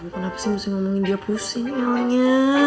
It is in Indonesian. kenapa sih mesti ngomongin dia pusing elnya